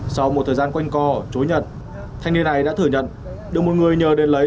sau một thời gian quanh co chối nhận thanh niên này đã thừa nhận được một người nhờ đến lấy